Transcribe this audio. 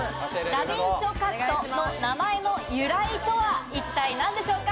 駄敏丁カットの名前の由来とは一体何でしょうか？